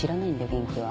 元気は。